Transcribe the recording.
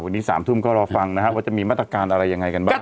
วันนี้๓ทุ่มก็รอฟังนะครับว่าจะมีมาตรการอะไรยังไงกันบ้าง